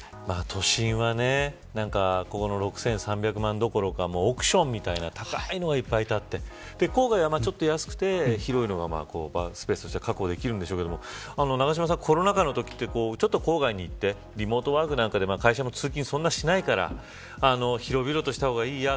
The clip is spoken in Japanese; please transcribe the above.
都心はここの６３００万どころか億ションみたいな高いのがいっぱい建って郊外はちょっと安くて広いのがスペースは確保できるんでしょうけど長嶋さん、コロナ禍のときって郊外に行ってリモートワークなんかで通勤もそんなにしないから広々とした方がいいや。